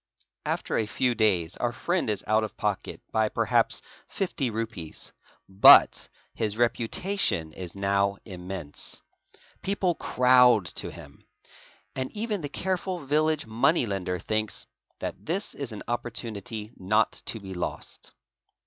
After a few days our friend is out of pocket by perhaps fifty rupees; but his reputation is now immense. People crowd to him; and even the careful village money lender thinks | that this is an opportunity not to be lost.